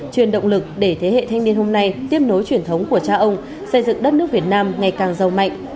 truyền động lực để thế hệ thanh niên hôm nay tiếp nối truyền thống của cha ông xây dựng đất nước việt nam ngày càng giàu mạnh